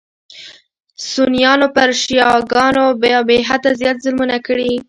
سنیانو پر شیعه ګانو بېحده زیات ظلمونه کړي.